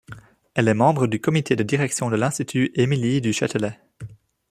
Elle est membre du comité de direction de l'Institut Émilie-du-Châtelet.